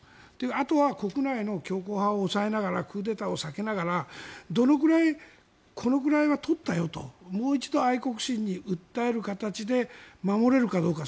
あとは国内の強硬派を抑えながらクーデターを避けながらどのぐらい、このぐらいは取ったよともう一度、愛国心に訴える形で守れるかどうか。